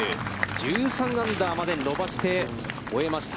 １３アンダーまで伸ばして終えました。